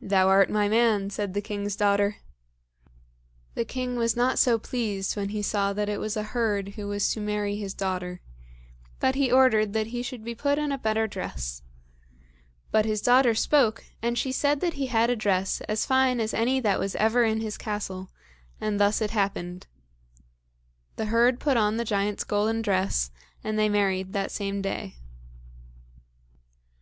"Thou art my man," said the king's daughter. The king was not so pleased when he saw that it was a herd who was to marry his daughter, but he ordered that he should be put in a better dress; but his daughter spoke, and she said that he had a dress as fine as any that ever was in his castle; and thus it happened. The herd put on the giant's golden dress, and they married that same day.